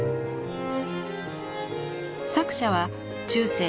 作者は中世